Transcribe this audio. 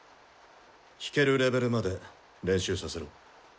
弾けるレベルまで練習させろ。